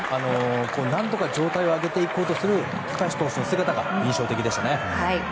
何とか状態を上げていこうとする高橋投手の姿が印象的でしたね。